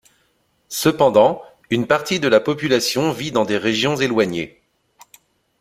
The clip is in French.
Cependant, une partie de la population vit dans les régions éloignées.